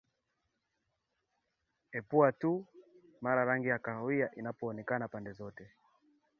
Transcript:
epua mara tu rangi ya kahawia itakapoonekana pande zote